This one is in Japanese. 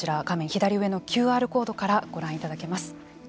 左上のＱＲコードからご覧いただけます。